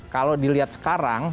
kalau dilihat sekarang